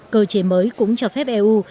cơ chế mới cũng cho phép eu